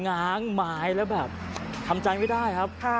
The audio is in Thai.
ง้างไม้แล้วแบบทำใจไม่ได้ครับ